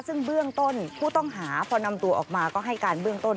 ซึ่งเบื้องต้นผู้ต้องหาพอนำตัวออกมาก็ให้การเบื้องต้น